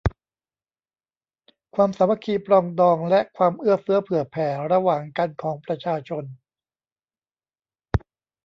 ความสามัคคีปรองดองและความเอื้อเฟื้อเผื่อแผ่ระหว่างกันของประชาชน